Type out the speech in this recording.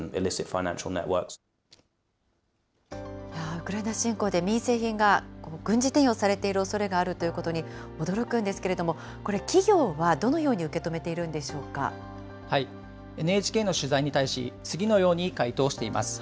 ウクライナ侵攻で民生品が軍事転用されているおそれがあるということに驚くんですけれども、これ、企業はどのように受け止めＮＨＫの取材に対し、次のように回答しています。